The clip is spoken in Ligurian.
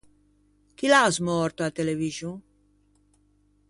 Chi l’à asmòrto a televixon?